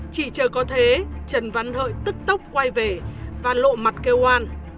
chỉ chờ có thế trần văn hợi tức tốc quay về và lộ mặt kêu oan